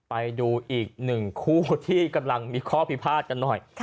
ไปดูอีกหนึ่งคู่ที่กำลังมีข้อพิพาทกันหน่อย